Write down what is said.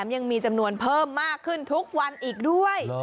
ยังมีจำนวนเพิ่มมากขึ้นทุกวันอีกด้วย